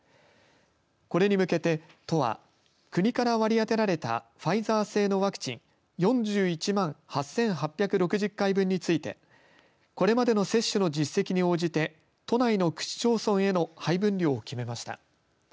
これに向けて、都は国から割り当てられたファイザー製のワクチン４１万８８６０回分についてこれまでの接種の実績に応じて都内の区市町村への配分量を決めました。